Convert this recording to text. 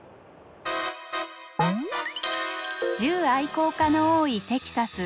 銃愛好家の多いテキサス。